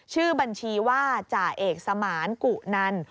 ชื่อบัญชีว่าจ่าเอกสมานกุนัน